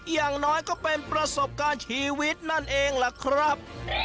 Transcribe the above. อย่างน้อยก็เป็นประสบการณ์ชีวิตนั่นเองล่ะครับ